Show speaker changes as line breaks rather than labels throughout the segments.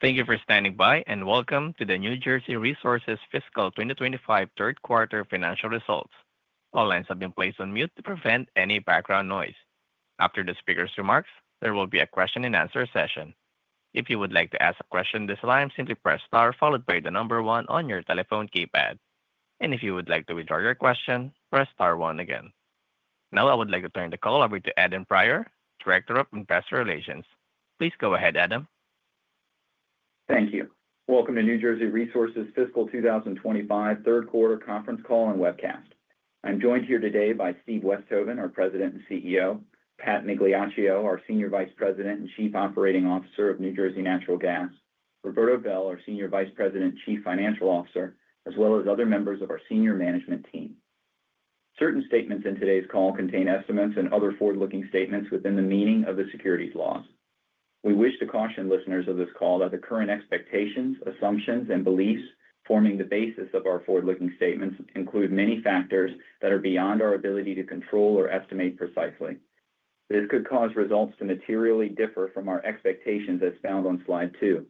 Thank you for standing by and welcome to the New Jersey Resources Fiscal 2025 Third Quarter Financial Results. All lines have been placed on mute to prevent any background noise. After the speaker's remarks, there will be a question and answer session. If you would like to ask a question at this time, simply press star followed by the number one on your telephone keypad. If you would like to withdraw your question, press star one again. Now I would like to turn the call over to Adam Prior, Director of Investor Relations. Please go ahead, Adam.
Thank you. Welcome to New Jersey Resources Fiscal 2025 Third Quarter Conference Call and Webcast. I'm joined here today by Steve Westhoven, our President and CEO, Pat Migliaccio, our Senior Vice President and Chief Operating Officer of New Jersey Natural Gas, Roberto Bel, our Senior Vice President and Chief Financial Officer, as well as other members of our senior management team. Certain statements in today's call contain estimates and other forward-looking statements within the meaning of the securities laws. We wish to caution listeners of this call that the current expectations, assumptions, and beliefs forming the basis of our forward-looking statements include many factors that are beyond our ability to control or estimate precisely. This could cause results to materially differ from our expectations as found on slide two.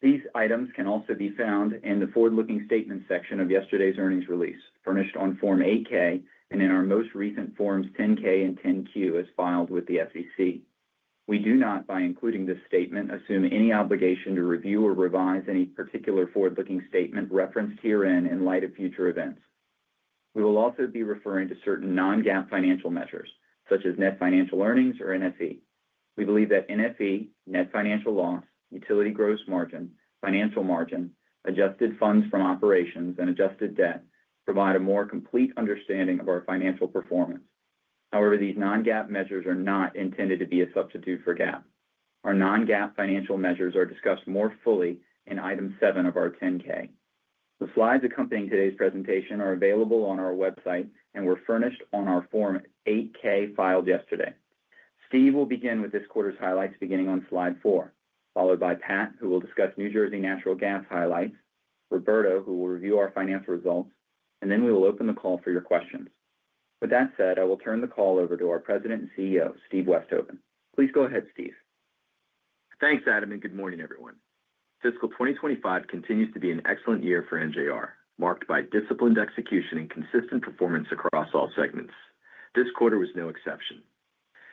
These items can also be found in the forward-looking statements section of yesterday's earnings release, furnished on Form 8-K and in our most recent Forms 10-K and 10-Q as filed with the SEC. We do not, by including this statement, assume any obligation to review or revise any particular forward-looking statement referenced herein in light of future events. We will also be referring to certain non-GAAP financial measures, such as Net Financial Earnings or NFE. We believe that NFE, Net Financial Loss, Utility Gross Margin, Financial Margin, Adjusted Funds from Operations, and Adjusted Debt provide a more complete understanding of our financial performance. However, these non-GAAP measures are not intended to be a substitute for GAAP. Our non-GAAP financial measures are discussed more fully in item seven of our 10-K. The slides accompanying today's presentation are available on our website and were furnished on our Form 8-K filed yesterday. Steve will begin with this quarter's highlights, beginning on slide four, followed by Pat, who will discuss New Jersey Natural Gas highlights, Roberto, who will review our financial results, and then we will open the call for your questions. With that said, I will turn the call over to our President and CEO, Steve Westhoven. Please go ahead, Steve.
Thanks, Adam, and good morning, everyone. Fiscal 2025 continues to be an excellent year for NJR, marked by disciplined execution and consistent performance across all segments. This quarter was no exception.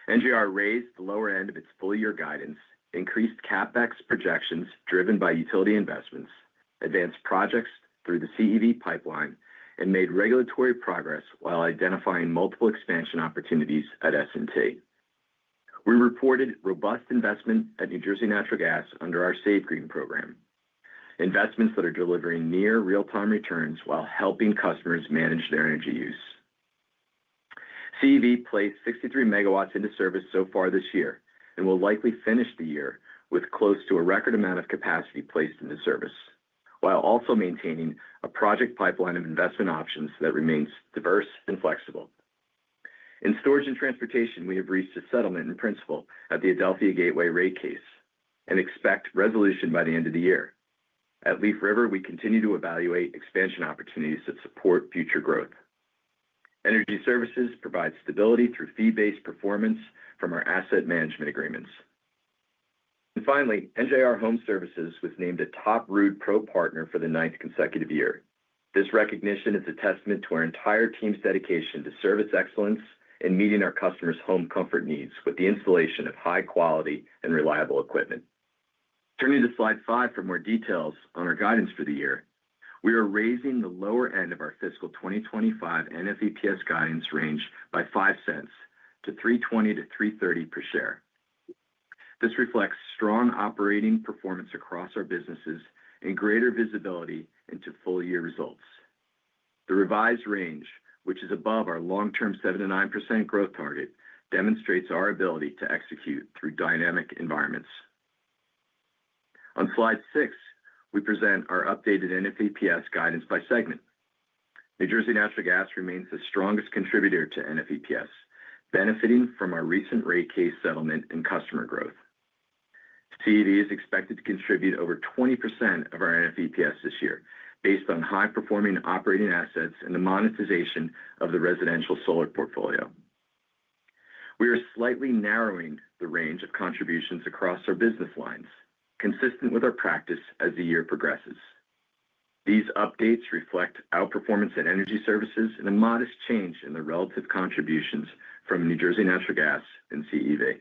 NJR raised the lower end of its full-year guidance, increased CapEx projections driven by utility investments, advanced projects through the CEV pipeline, and made regulatory progress while identifying multiple expansion opportunities at Storage and Transportation. We reported robust investment at New Jersey Natural Gas under our Safe Green program, investments that are delivering near real-time returns while helping customers manage their energy use. CEV placed 63 MW into service so far this year and will likely finish the year with close to a record amount of capacity placed into service, while also maintaining a project pipeline of investment options that remains diverse and flexible. In Storage and Transportation, we have reached a settlement in principle at the Adelphia Gateway rate case and expect resolution by the end of the year. At Leaf River, we continue to evaluate expansion opportunities that support future growth. Energy Services provide stability through fee-based performance from our asset management agreements. Finally, NJR Home Services was named a Top Ruud Pro Partner for the ninth consecutive year. This recognition is a testament to our entire team's dedication to service excellence and meeting our customers' home comfort needs with the installation of high-quality and reliable equipment. Turning to slide five for more details on our guidance for the year, we are raising the lower end of our fiscal 2025 NFEPS guidance range by $0.05-$3.20-$3.30 per share. This reflects strong operating performance across our businesses and greater visibility into full-year results. The revised range, which is above our long-term 7%-9% growth target, demonstrates our ability to execute through dynamic environments. On slide six, we present our updated NFEPS guidance by segment. New Jersey Natural Gas remains the strongest contributor to NFEPS, benefiting from our recent rate case settlement and customer growth. CEV is expected to contribute over 20% of our NFEPS this year based on high-performing operating assets and the monetization of the residential solar portfolio. We are slightly narrowing the range of contributions across our business lines, consistent with our practice as the year progresses. These updates reflect outperformance in Energy Services and a modest change in the relative contributions from New Jersey Natural Gas and CEV.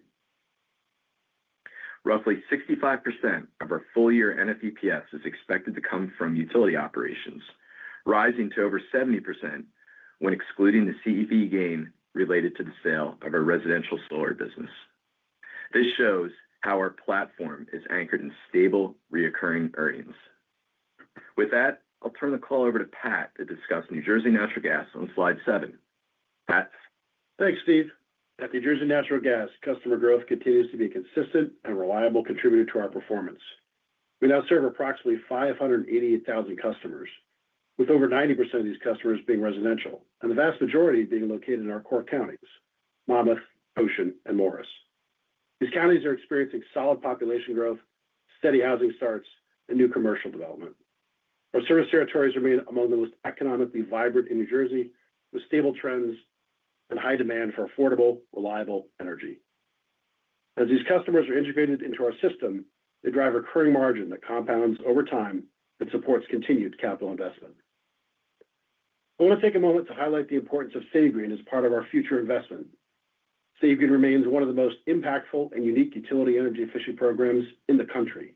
Roughly 65% of our full-year NFEPS is expected to come from utility operations, rising to over 70% when excluding the CEV gain related to the sale of our residential solar business. This shows how our platform is anchored in stable recurring earnings. With that, I'll turn the call over to Pat to discuss New Jersey Natural Gas on slide seven. Pat?
Thanks, Steve. At New Jersey Natural Gas, customer growth continues to be a consistent and reliable contributor to our performance. We now serve approximately 588,000 customers, with over 90% of these customers being residential and the vast majority being located in our core counties: Monmouth, Ocean, and Morris. These counties are experiencing solid population growth, steady housing starts, and new commercial development. Our service territories remain among the most economically vibrant in New Jersey, with stable trends and high demand for affordable, reliable energy. As these customers are integrated into our system, they drive a recurring margin that compounds over time and supports continued capital investment. I want to take a moment to highlight the importance of City Green as part of our future investment. City Green remains one of the most impactful and unique utility energy efficiency programs in the country.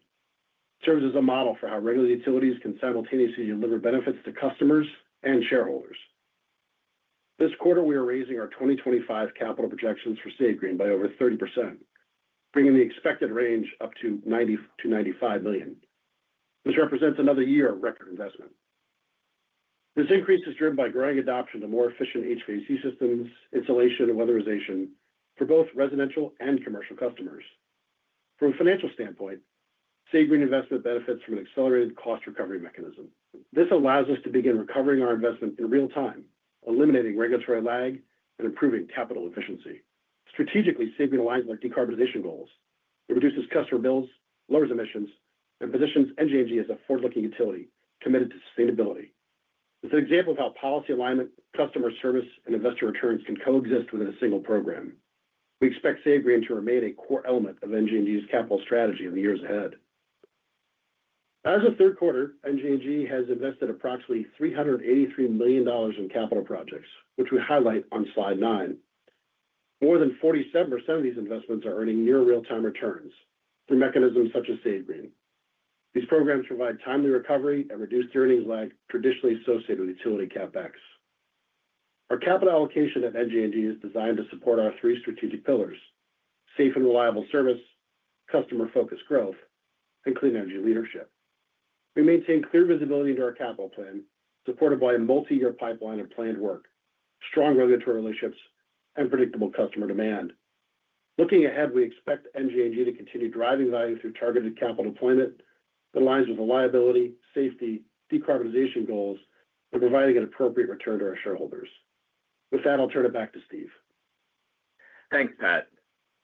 It serves as a model for how regular utilities can simultaneously deliver benefits to customers and shareholders. This quarter, we are raising our 2025 capital projections for City Green by over 30%, bringing the expected range up to $90million-$95 million. This represents another year of record investment. This increase is driven by growing adoption to more efficient HVAC systems, installation, and weatherization for both residential and commercial customers. From a financial standpoint, City Green investment benefits from an accelerated cost recovery mechanism. This allows us to begin recovering our investment in real time, eliminating regulatory lag and improving capital efficiency, strategically serving lives like decarbonization goals. It reduces customer bills, lowers emissions, and positions New Jersey Natural Gas as a forward-looking utility committed to sustainability. It's an example of how policy alignment, customer service, and investor returns can coexist within a single program. We expect City Green to remain a core element of New Jersey capital strategy in the years ahead. As of third quarter, New Jersey Natural Gas has invested approximately $383 million in capital projects, which we highlight on slide nine. More than 47% of these investments are earning year-to-year real-time returns through mechanisms such as City Green. These programs provide timely recovery and reduce earnings lag traditionally associated with utility CapEx. Our capital allocation at New Jersey Natural Gas is designed to support our three strategic pillars: safe and reliable service, customer-focused growth, and clean energy leadership. We maintain clear visibility into our capital plan, supported by a multi-year pipeline of planned work, strong regulatory relationships, and predictable customer demand. Looking ahead, we expect NJNG to continue driving value through targeted capital deployment that aligns with reliability, safety, decarbonization goals, and providing an appropriate return to our shareholders. With that, I'll turn it back to Steve.
Thanks, Pat.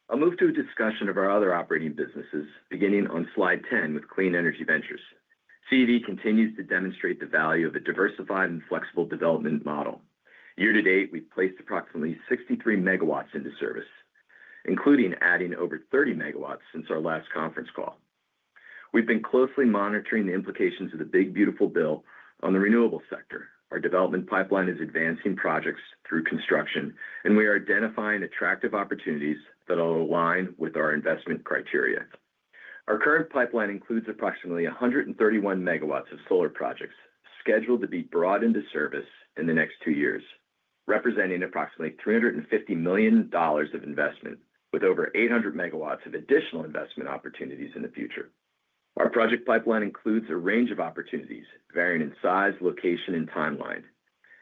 I'll move to a discussion of our other operating businesses, beginning on slide ten with Clean Energy Ventures. CEV continues to demonstrate the value of a diversified and flexible development model. Year to date, we've placed approximately 63 MW into service, including adding over 30 MW since our last conference call. We've been closely monitoring the implications of the Big Beautiful Bill on the renewable sector. Our development pipeline is advancing projects through construction, and we are identifying attractive opportunities that align with our investment criteria. Our current pipeline includes approximately 131 MW of solar projects scheduled to be brought into service in the next two years, representing approximately $350 million of investment, with over 800 MW of additional investment opportunities in the future. Our project pipeline includes a range of opportunities varying in size, location, and timeline,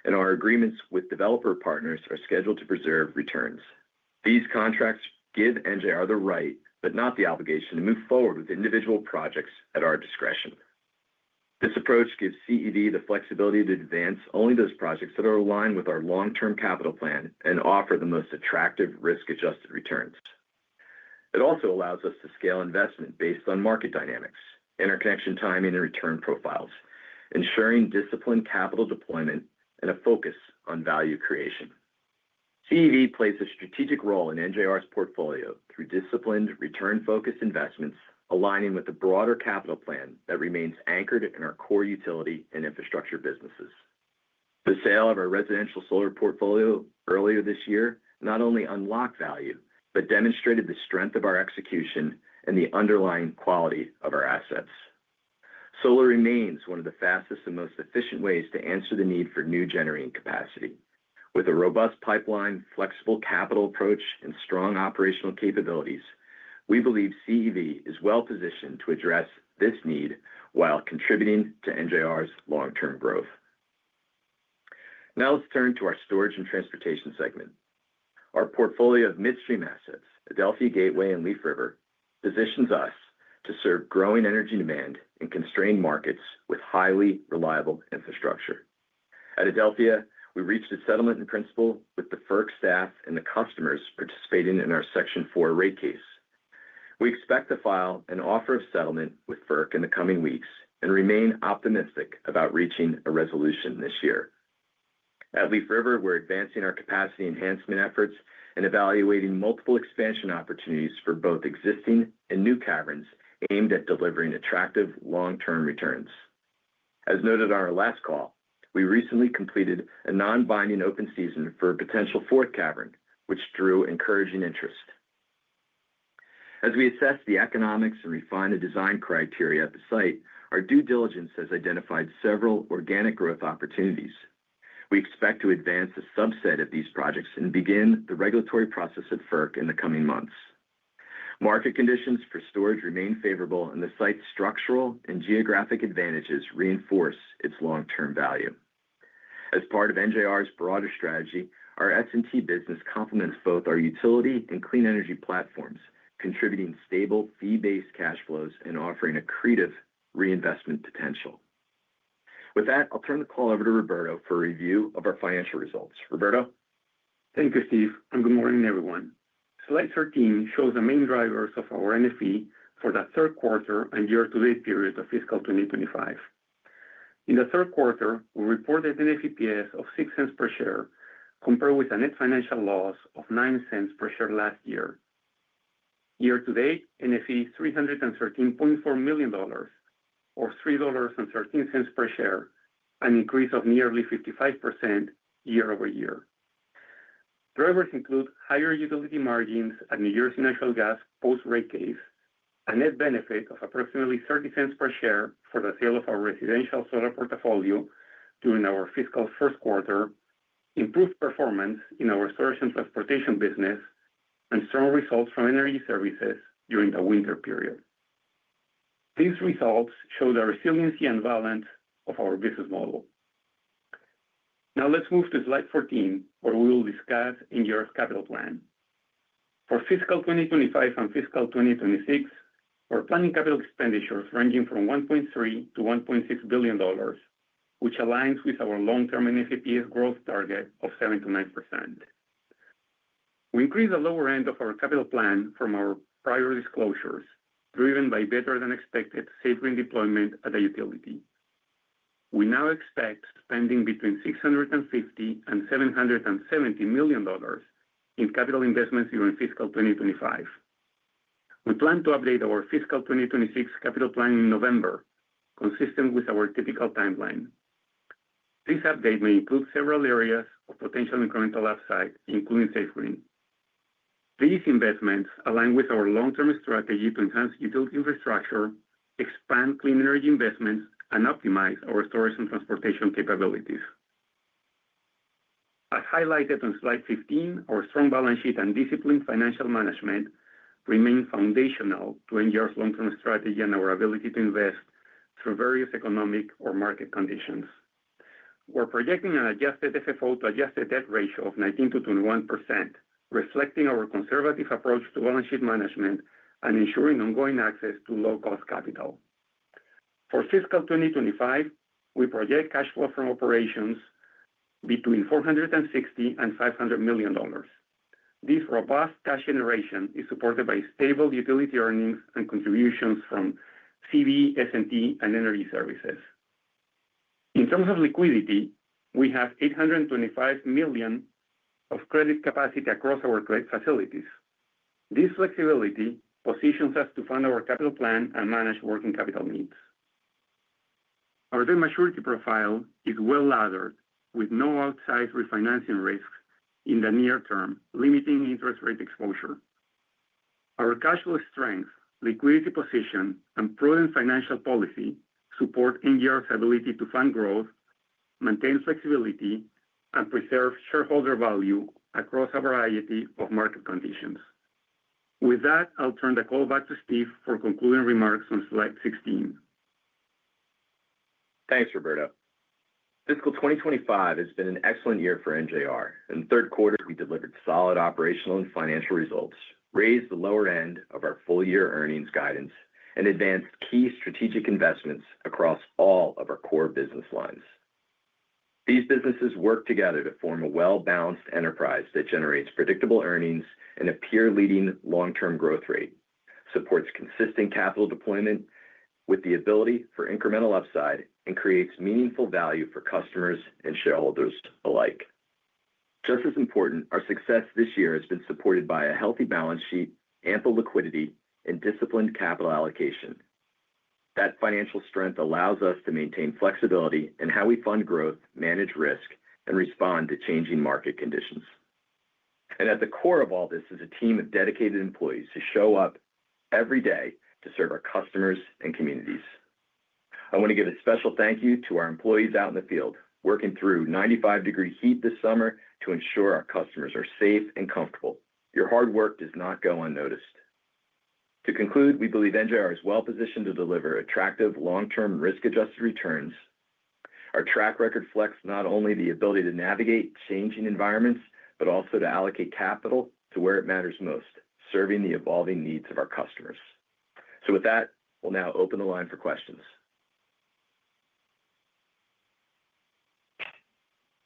and our agreements with developer partners are scheduled to preserve returns. These contracts give NJR the right, but not the obligation, to move forward with individual projects at our discretion. This approach gives CEV the flexibility to advance only those projects that align with our long-term capital plan and offer the most attractive risk-adjusted returns. It also allows us to scale investment based on market dynamics, interconnection timing, and return profiles, ensuring disciplined capital deployment and a focus on value creation. CEV plays a strategic role in NJR's portfolio through disciplined, return-focused investments, aligning with the broader capital plan that remains anchored in our core utility and infrastructure businesses. The sale of our residential solar portfolio earlier this year not only unlocked value but demonstrated the strength of our execution and the underlying quality of our assets. Solar remains one of the fastest and most efficient ways to answer the need for new generating capacity. With a robust pipeline, flexible capital approach, and strong operational capabilities, we believe CEV is well-positioned to address this need while contributing to NJR's long-term growth. Now let's turn to our storage and transportation segment. Our portfolio of midstream assets, Adelphia Gateway and Leaf River, positions us to serve growing energy demand in constrained markets with highly reliable infrastructure. At Adelphia Gateway, we reached a settlement in principle with the FERC staff and the customers participating in our Section Four rate case. We expect to file an offer of settlement with FERC in the coming weeks and remain optimistic about reaching a resolution this year. At Leaf River, we're advancing our capacity enhancement efforts and evaluating multiple expansion opportunities for both existing and new caverns aimed at delivering attractive long-term returns. As noted on our last call, we recently completed a non-binding open season for a potential fourth cavern, which drew encouraging interest. As we assess the economics and refine the design criteria at the site, our due diligence has identified several organic growth opportunities. We expect to advance a subset of these projects and begin the regulatory process at FERC in the coming months. Market conditions for storage remain favorable, and the site's structural and geographic advantages reinforce its long-term value. As part of NJR's broader strategy, our Storage and Transportation business complements both our utility and clean energy platforms, contributing stable fee-based cash flows and offering a creative reinvestment potential. With that, I'll turn the call over to Roberto for a review of our financial results. Roberto?
Thank you, Steve, and good morning, everyone. Slide 13 shows the main drivers of our NFE for the third quarter and year-to-date period of fiscal 2025. In the third quarter, we reported an NFEPS of $0.06 per share, compared with a Net Financial Loss of $0.09 per share last year. Year to date, NFE is $313.4 million, or $3.13 per share, an increase of nearly 55% year-over-year. Drivers include higher utility margins at New Jersey Natural Gas post-rate case, a net benefit of approximately $0.30 per share for the sale of our residential solar portfolio during our fiscal first quarter, improved performance in our storage and transportation business, and strong results from energy services during the winter period. These results show the resiliency and balance of our business model. Now let's move to slide 14, where we will discuss NJR's capital plan. For fiscal 2025 and fiscal 2026, we're planning capital expenditures ranging from $1.3 billion-$1.6 billion, which aligns with our long-term NFEPS growth target of 7%-9%. We increase the lower end of our capital plan from our prior disclosures, driven by better-than-expected Safe Green deployment at the utility. We now expect spending between $650 million and $770 million in capital investments during fiscal 2025. We plan to update our fiscal 2026 capital plan in November, consistent with our typical timeline. This update may include several areas of potential incremental upside, including Safe Green. These investments align with our long-term strategy to enhance utility infrastructure, expand clean energy investments, and optimize our storage and transportation capabilities. As highlighted on slide 15, our strong balance sheet and disciplined financial management remain foundational to NJR's long-term strategy and our ability to invest through various economic or market conditions. We're projecting an adjusted FFO to adjusted debt ratio of 19%-21%, reflecting our conservative approach to balance sheet management and ensuring ongoing access to low-cost capital. For fiscal 2025, we project cash flow from operations between $460 million and $500 million. This robust cash generation is supported by stable utility earnings and contributions from CEV, S&T, and energy services. In terms of liquidity, we have $825 million of credit capacity across our credit facilities. This flexibility positions us to fund our capital plan and manage working capital needs. Our debt maturity profile is well-loaded, with no outsized refinancing risks in the near term, limiting interest rate exposure. Our cash flow strength, liquidity position, and prudent financial policy support NJR's ability to fund growth, maintain flexibility, and preserve shareholder value across a variety of market conditions. With that, I'll turn the call back to Steve for concluding remarks on slide 16.
Thanks, Roberto. Fiscal 2025 has been an excellent year for NJR. In the third quarter, we delivered solid operational and financial results, raised the lower end of our full-year earnings guidance, and advanced key strategic investments across all of our core business lines. These businesses work together to form a well-balanced enterprise that generates predictable earnings and a peer-leading long-term growth rate, supports consistent capital deployment with the ability for incremental upside, and creates meaningful value for customers and shareholders alike. Just as important, our success this year has been supported by a healthy balance sheet, ample liquidity, and disciplined capital allocation. That financial strength allows us to maintain flexibility in how we fund growth, manage risk, and respond to changing market conditions. At the core of all this is a team of dedicated employees who show up every day to serve our customers and communities. I want to give a special thank you to our employees out in the field, working through 95-degree heat this summer to ensure our customers are safe and comfortable. Your hard work does not go unnoticed. To conclude, we believe NJR is well-positioned to deliver attractive long-term risk-adjusted returns. Our track record reflects not only the ability to navigate changing environments, but also to allocate capital to where it matters most, serving the evolving needs of our customers. With that, we'll now open the line for questions.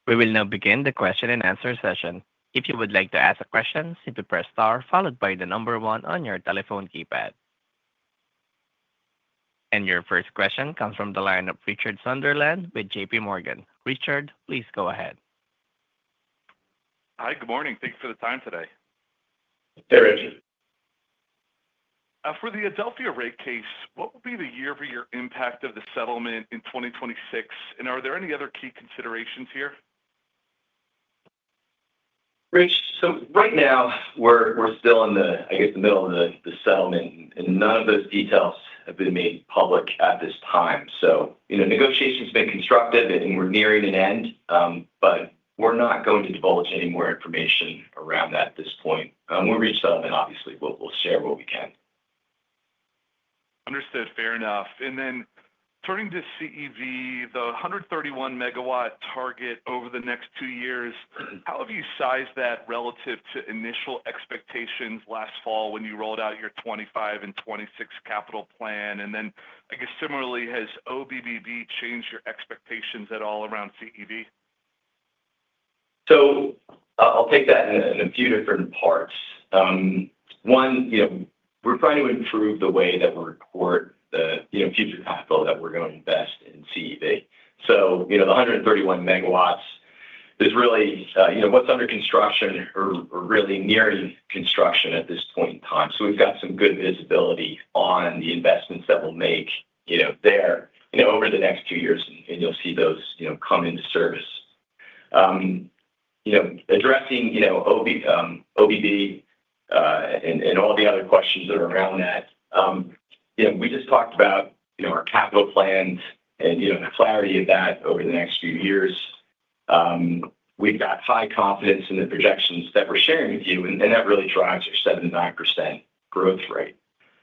We will now begin the question-and-answer session. If you would like to ask a question, simply press star followed by the number one on your telephone keypad. Your first question comes from the line of Richard Sunderland with JPMorgan. Richard, please go ahead.
Hi, good morning. Thanks for the time today.
Thank you, Richard.
For the Adelphia Gateway rate case, what will be the year-over-year impact of the settlement in 2026, and are there any other key considerations here?
Right now, we're still in the middle of the settlement, and none of those details have been made public at this time. Negotiations have been constructive, and we're nearing an end, but we're not going to divulge any more information around that at this point. We'll reach settlement, obviously. We'll share what we can.
Understood. Fair enough. Turning to Clean Energy Ventures, the 131 MW target over the next two years, how have you sized that relative to initial expectations last fall when you rolled out your 2025 and 2026 capital plan? Similarly, has OBBB changed your expectations at all around Clean Energy Ventures?
I'll take that in a few different parts. One, we're trying to improve the way that we report the future capital that we're going to invest in Clean Energy Ventures. The 131 MW is really what's under construction or really nearing construction at this point in time. We've got some good visibility on the investments that we'll make there over the next two years, and you'll see those come into service. Addressing OBBB and all the other questions that are around that, we just talked about our capital plans and the clarity of that over the next few years. We've got high confidence in the projections that we're sharing with you, and that really drives our 7%-9% growth rate.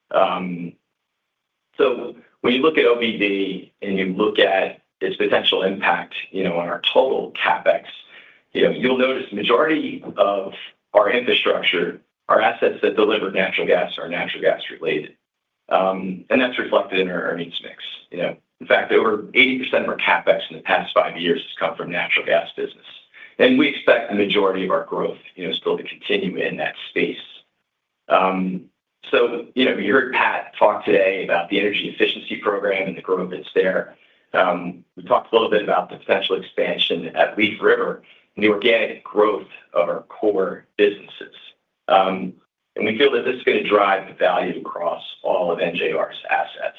When you look at OBBB and you look at its potential impact on our total CapEx, you'll notice the majority of our infrastructure, our assets that deliver natural gas, are natural gas-related. That's reflected in our earnings mix. In fact, over 80% of our CapEx in the past five years has come from the natural gas business, and we expect the majority of our growth still to continue in that space. You heard Pat talk today about the energy efficiency program and the growth that's there. We talked a little bit about the potential expansion at Leaf River and the organic growth of our core businesses, and we feel that this is going to drive the value across all of NJR's assets.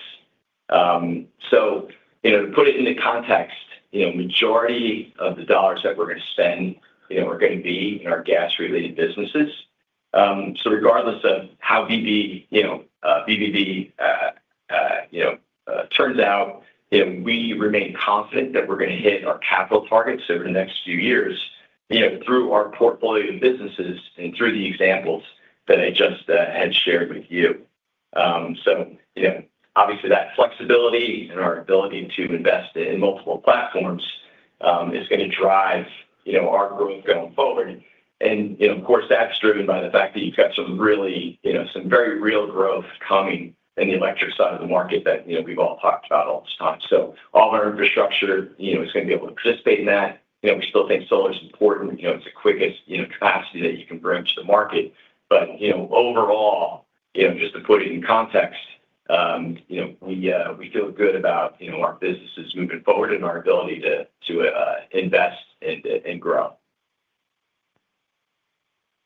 To put it into context, the majority of the dollars that we're going to spend are going to be in our gas-related businesses. Regardless of how VBB turns out, we remain confident that we're going to hit our capital targets over the next few years through our portfolio of businesses and through the examples that I just had shared with you. Obviously, that flexibility and our ability to invest in multiple platforms is going to drive our growth going forward. Of course, that's driven by the fact that you've got some very real growth coming in the electric side of the market that we've all talked about all this time. All of our infrastructure is going to be able to participate in that. We still think solar is important, as quick as capacity that you can bring to the market. Overall, just to put it in context, we feel good about our businesses moving forward and our ability to invest and grow.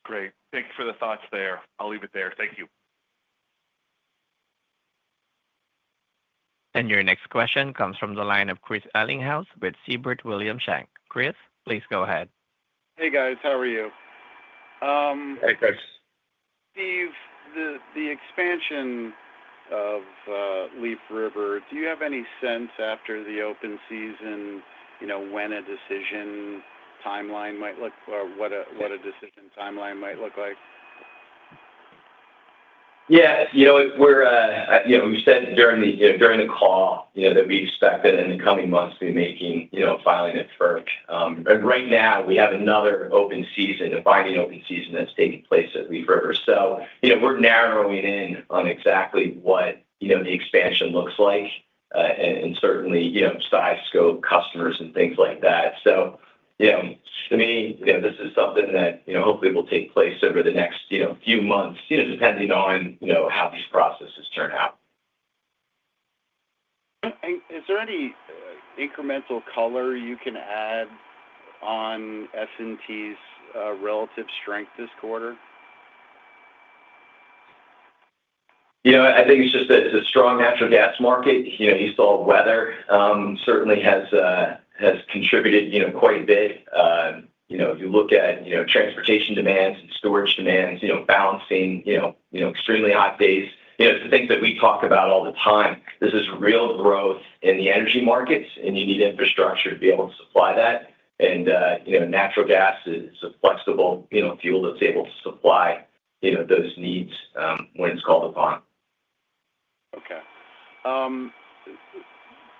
Great. Thank you for the thoughts there. I'll leave it there. Thank you.
Your next question comes from the line of Chris Ellinghaus with Seaport William Shank. Chris, please go ahead.
Hey, guys. How are you?
Hey, Chris.
Steve, the expansion of Leaf River, do you have any sense after the open season, you know, what a decision timeline might look like?
Yeah, we said during the call that we expect that in the coming months to be making filing at FERC. Right now, we have another open season, a binding open season that's taking place at Leaf River. We're narrowing in on exactly what the expansion looks like and certainly size, scope, customers, and things like that. This is something that hopefully will take place over the next few months, depending on how this process has turned out.
Is there any incremental color you can add on Storage and Transportation's relative strength this quarter?
I think it's just a strong natural gas market. You saw weather certainly has contributed quite a bit. If you look at transportation demands and storage demands, balancing extremely hot days, the things that we talk about all the time, this is real growth in the energy markets, and you need the infrastructure to be able to supply that. Natural gas is a flexible fuel that's able to supply those needs when it's called upon.
Okay.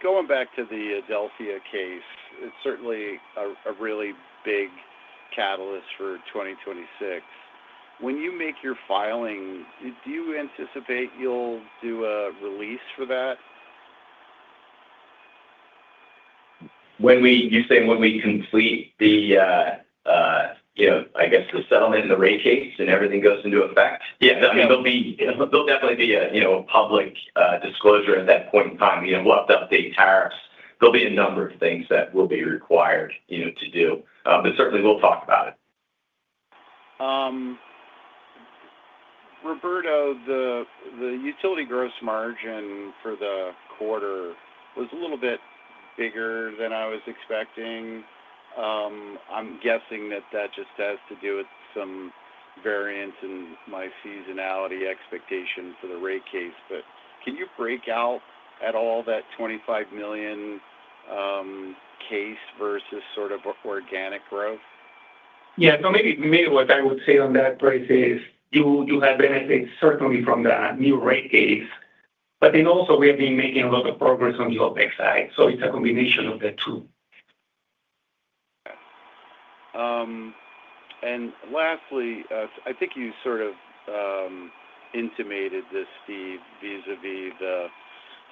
Going back to the Adelphia Gateway rate case, it's certainly a really big catalyst for 2026. When you make your filing, do you anticipate you'll do a release for that?
When you say when we complete the settlement and the rate case and everything goes into effect, yeah, I mean, there'll definitely be a public disclosure at that point in time. We'll have to update tariffs. There'll be a number of things that will be required to do. Certainly, we'll talk about it.
Roberto, the utility gross margin for the quarter was a little bit bigger than I was expecting. I'm guessing that just has to do with some variance in my seasonality expectation for the rate case. Can you break out at all that $25 million case versus sort of organic growth?
Yeah, what I would say on that, Chris, is you have benefits certainly from the new rate case. You also have been making a lot of progress on the OpEx side. It is a combination of the two.
I think you sort of intimated this, Steve, vis-à-vis the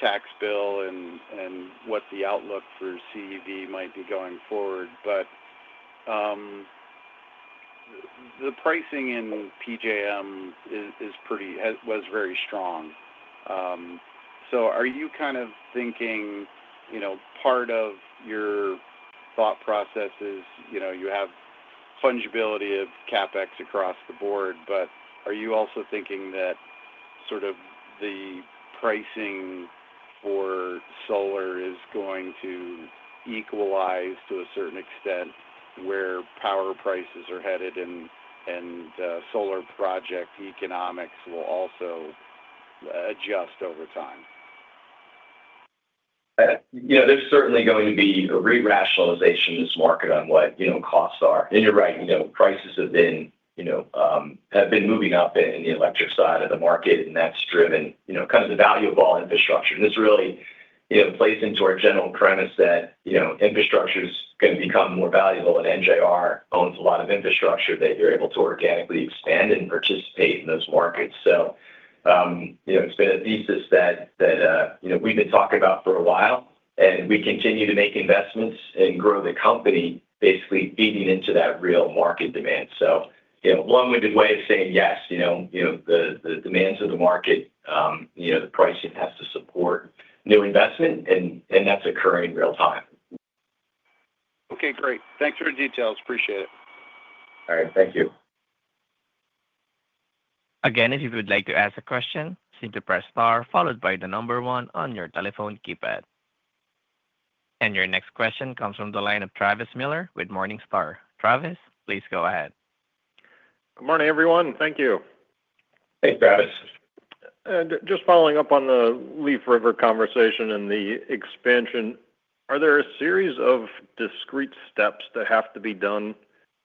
tax bill and what the outlook for CEV might be going forward. The pricing in PJM was very strong. Are you kind of thinking part of your thought process is you have fungibility of CapEx across the board, but are you also thinking that the pricing for solar is going to equalize to a certain extent where power prices are headed and solar project economics will also adjust over time?
There's certainly going to be a rerationalization in this market on what costs are. You're right, prices have been moving up in the electric side of the market, and that's driven the value of all infrastructure. This really plays into our general premise that infrastructure is going to become more valuable, and New Jersey Resources owns a lot of infrastructure that you're able to organically expand and participate in those markets. It's been a thesis that we've been talking about for a while, and we continue to make investments and grow the company, basically feeding into that real market demand. One way of saying yes, the demands of the market, the pricing has to support new investment, and that's occurring real time.
Okay, great. Thanks for the details. Appreciate it.
All right, thank you.
Again, if you would like to ask a question, simply press star followed by the number one on your telephone keypad. Your next question comes from the line of Travis Miller with Morningstar. Travis, please go ahead.
Good morning, everyone. Thank you.
Thanks, Travis.
Following up on the Leaf River conversation and the expansion, are there a series of discrete steps that have to be done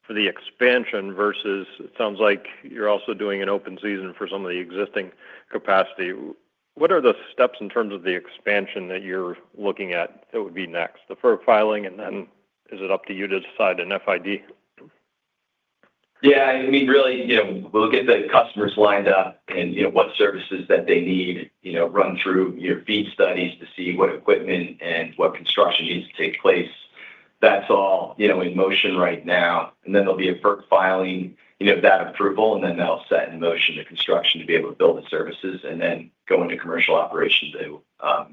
for the expansion versus, it sounds like you're also doing an open season for some of the existing capacity? What are the steps in terms of the expansion that you're looking at that would be next? The first filing, and then is it up to you to decide an FID?
Yeah, I mean, really, you know, we'll get the customers lined up and get what services that they need, you know, run through your feed studies to see what equipment and what construction needs to take place. That's all, you know, in motion right now. There'll be a FERC filing, you know, of that approval, and then they'll set in motion the construction to be able to build the services and then go into commercial operations to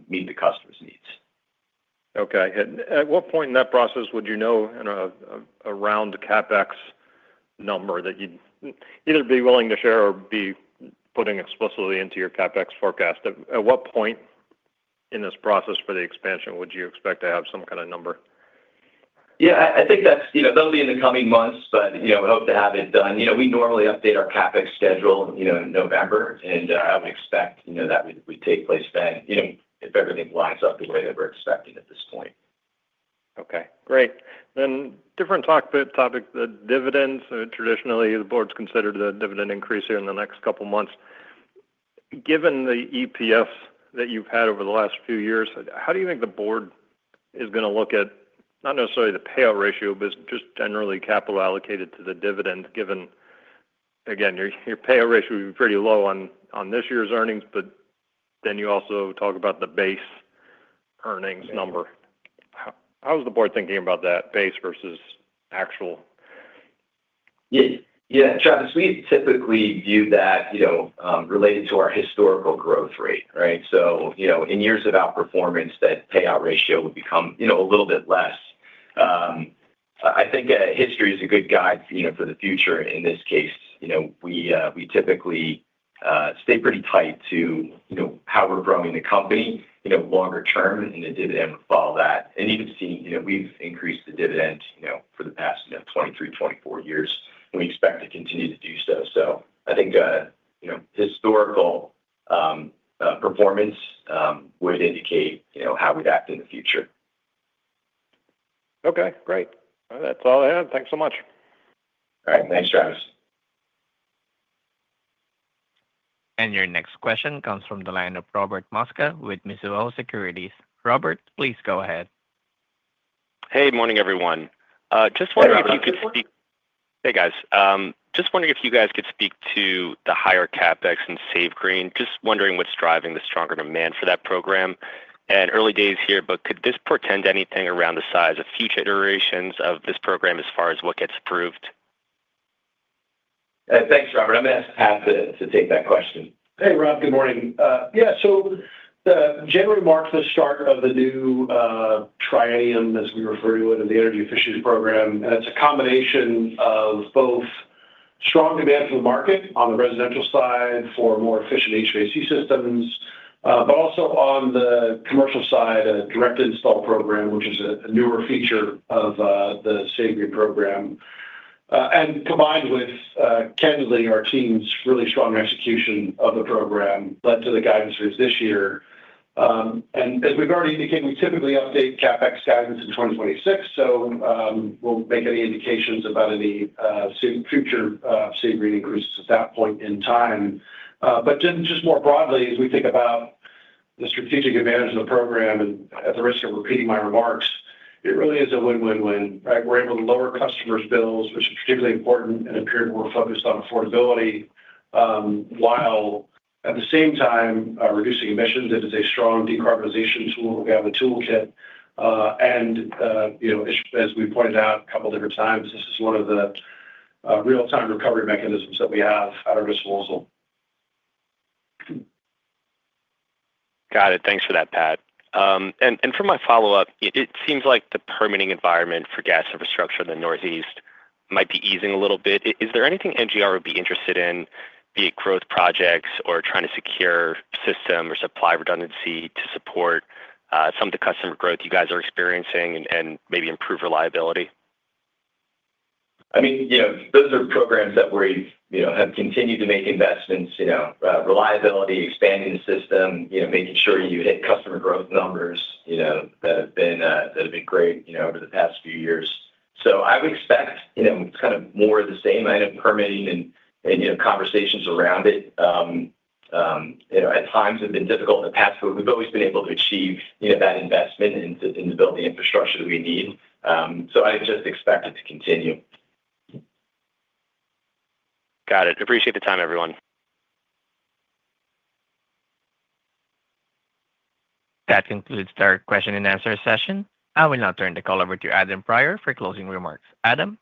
meet the customer's needs.
At what point in that process would you know around the CapEx number that you'd either be willing to share or be putting explicitly into your CapEx forecast? At what point in this process for the expansion would you expect to have some kind of number?
Yeah, I think that'll be in the coming months, but I would hope to have it done. We normally update our CapEx schedule in November, and I would expect that would take place then if everything lines up the way that we're expecting at this point.
Okay, great. Different topic, the dividends. Traditionally, the Board's considered the dividend increase here in the next couple of months. Given the NFEPS that you've had over the last few years, how do you think the Board is going to look at not necessarily the payout ratio, but just generally capital allocated to the dividend given, again, your payout ratio is pretty low on this year's earnings, but then you also talk about the base earnings number. How is the Board thinking about that, base versus actual?
Yeah, Travis, we typically view that related to our historical growth rate, right? In years of outperformance, that payout ratio would become a little bit less. I think history is a good guide for the future. In this case, we typically stay pretty tight to how we're growing in the company longer term, and the dividend would follow that. You can see we've increased the dividend for the past 23, 24 years, and we expect to continue to do so. I think historical performance would indicate how we'd act in the future.
Okay, great. That's all I had. Thanks so much.
All right, thanks, Travis.
Your next question comes from the line of Robert Mosca with Mizuho Securities. Robert, please go ahead.
Good morning, everyone. Just wondering if you could speak to the higher CapEx in Safe Green. Just wondering what's driving the stronger demand for that program. Early days here, but could this portend anything around the size of future iterations of this program as far as what gets approved?
Thanks, Robert. I'm going to ask Pat to take that question.
Hey, Rob. Good morning. Yeah, the January marks the start of the new triennium, as we refer to it, of the energy efficiency program. It's a combination of both strong demand from the market on the residential side for more efficient HVAC systems, but also on the commercial side, a direct install program, which is a newer feature of the Safe Green Program. Combined with, candidly, our team's really strong execution of the program led to the guidance rates this year. As we've already indicated, we typically update CapEx guidance in 2026. We'll make any indications about any future Safe Green increases at that point in time. More broadly, as we think about the strategic and management program, and at the risk of repeating my remarks, it really is a win-win-win, right? We're able to lower customers' bills, which is particularly important in a period where we're focused on affordability, while at the same time reducing emissions. It is a strong decarbonization tool that we have in the toolkit. As we've pointed out a couple of different times, this is one of the real-time recovery mechanisms that we have at our disposal.
Got it. Thanks for that, Pat. For my follow-up, it seems like the permitting environment for gas infrastructure in the Northeast might be easing a little bit. Is there anything New Jersey Resources would be interested in, be it growth projects or trying to secure system or supply redundancy to support some of the customer growth you guys are experiencing and maybe improve reliability?
Those are programs that we've continued to make investments in, reliability, expanding the system, making sure you hit customer growth numbers that have been great over the past few years. I would expect it's kind of more of the same. I know permitting and conversations around it at times have been difficult in the past, but we've always been able to achieve that investment in building the infrastructure that we need. I would just expect it to continue.
Got it. Appreciate the time, everyone.
That concludes our question and answer session. I will now turn the call over to Adam Prior for closing remarks. Adam.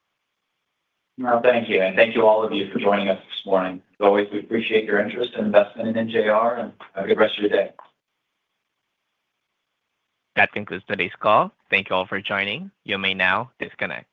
Thank you, and thank you all of you for joining us this morning. As always, we appreciate your interest and investment in New Jersey Resources, and have a good rest of your day.
That concludes today's call. Thank you all for joining. You may now disconnect.